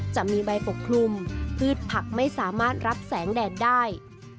จะมีใบปกคลุมพืชผักไม่สามารถรับแสงแดดได้